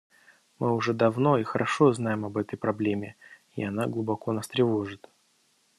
Мы уже давно и хорошо знаем об этой проблеме, и она глубоко нас тревожит.